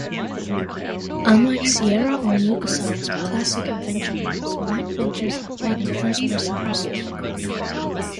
Unlike Sierra or LucasArts' classic adventure games, MacVentures are played in first-person perspective.